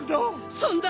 そんな。